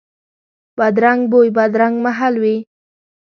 بدرنګ بوی، بدرنګ محل وي